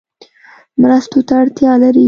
مرستو ته اړتیا لري